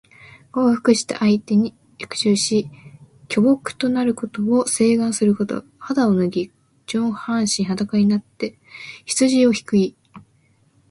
降伏して相手に服従し、臣僕となることを請願すること。肌を脱ぎ、上半身裸になって羊をひく意。